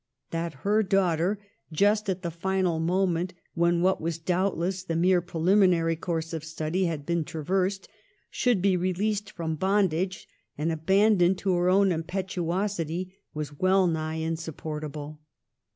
That her daughter, just at the final moment, when what was doubtless the mere preliminary course of study had been traversed, should be released from bondage and abandoned to her own impetuosity, was well nigh insupport able.